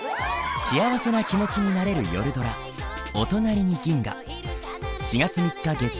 幸せな気持ちになれる夜ドラ「おとなりに銀河」。